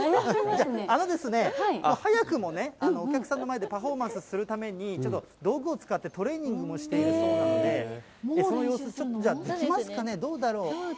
じゃあ、早くもお客さんの前でパフォーマンスするために、ちょっと道具を使って、トレーニングもしているそうで、その様子、できますかね、どうだろう。